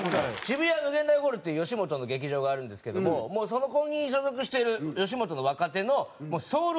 渋谷∞ホールっていう吉本の劇場があるんですけどももうそこに所属してる吉本の若手のソウルフード。